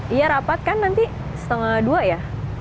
iya rapat kan nanti setengah dua ya